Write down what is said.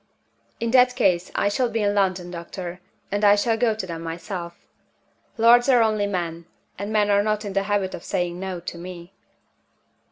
"In that case, I shall be in London, doctor; and I shall go to them myself. Lords are only men; and men are not in the habit of saying No to me."